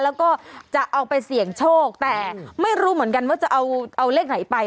แล้วก็จะเอาไปเสี่ยงโชคแต่ไม่รู้เหมือนกันว่าจะเอาเลขไหนไป